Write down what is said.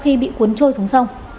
khi bị cuốn trôi xuống sông